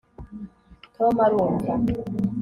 tom arumva